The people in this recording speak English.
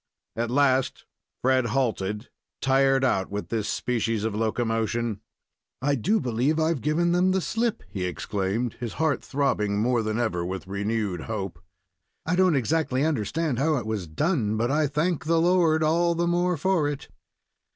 At last Fred halted, tired out with this species of locomotion. "I do believe I've given them the slip," he exclaimed, his heart throbbing more than ever with renewed hope. "I don't exactly understand how it was done, but I thank the Lord all the more for it."